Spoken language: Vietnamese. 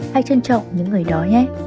hãy trân trọng những người đó nhé